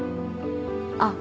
あっ